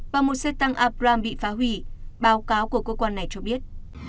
và một xe tăng abram bị phá hủy báo cáo của cơ quan này cho biết